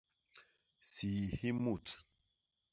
Sii hi mut.